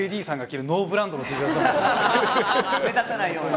目立たないような。